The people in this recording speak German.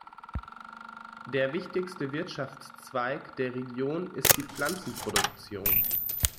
Der wichtigste Wirtschaftszweig der Region ist die Pflanzenproduktion.